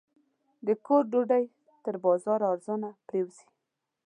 د کور ډوډۍ تر بازاره ارزانه پرېوځي.